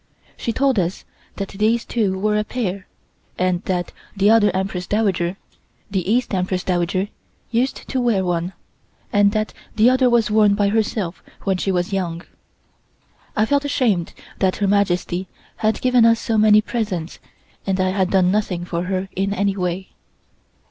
She told us that these two were a pair, and that the other Empress Dowager (the East Empress Dowager) used to wear one, and that the other was worn by herself when she was young. I felt ashamed that Her Majesty had given us so many presents and I had done nothing for her in any way.